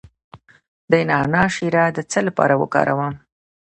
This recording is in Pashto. د نعناع شیره د څه لپاره وکاروم؟